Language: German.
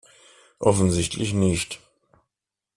Offensichtlich nicht.